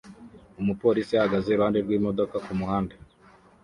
Umupolisi ahagaze iruhande rw'imodoka kumuhanda